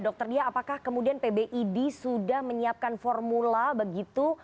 dokter dia apakah kemudian pbid sudah menyiapkan formula begitu